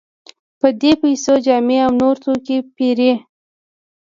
په دې پیسو جامې او نور توکي پېري.